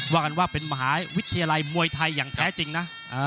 ว่ากันว่าเป็นมหาวิทยาลัยมวยไทยอย่างแท้จริงนะ